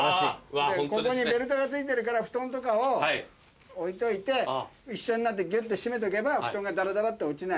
ここにベルトが付いてるから布団とかを置いといて一緒になってギュっと締めとけば布団がダラダラって落ちない。